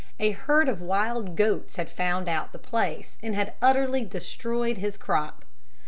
A herd of wild goats had found out the place and had utterly destroyed his crop.